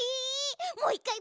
もう１かい